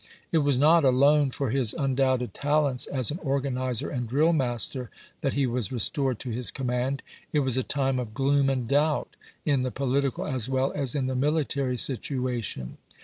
It was not alone for his un doubted talents as an organizer and drill master that he was restored to his command. It was a time of gloom and doubt in the pohtical as weU as in the military situation.